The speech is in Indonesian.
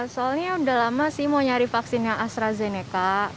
soalnya udah lama sih mau nyari vaksinnya astrazeneca